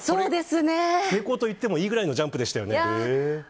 成功といってもいいぐらいのジャンプでしたね。